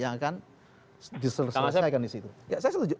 yang akan diselesaikan disitu